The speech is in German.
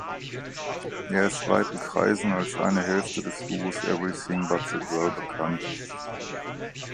Er ist weiten Kreisen als eine Hälfte des Duos Everything but the Girl bekannt.